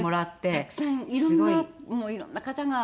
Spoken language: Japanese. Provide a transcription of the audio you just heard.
もうたくさんいろんなもういろんな方が。